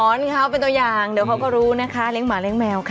เขาเป็นตัวอย่างเดี๋ยวเขาก็รู้นะคะเลี้ยงหมาเลี้ยแมวค่ะ